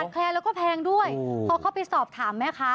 ขาดแคลนแล้วก็แพงด้วยเขาเข้าไปสอบถามไหมคะ